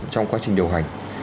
trong quá trình điều hành